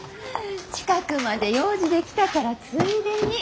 近くまで用事で来たからついでに。